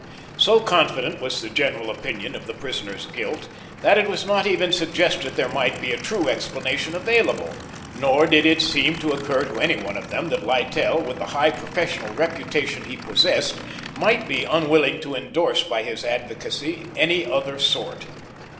So confident was the general opinion of the prisoner's guilt, that it was not even suggested there might be a true explanation available, nor did it seem to occur to any one of them that Littell, with the high professional reputation he possessed, might be unwilling to endorse by his advocacy any other sort.